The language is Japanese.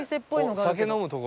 酒飲む所。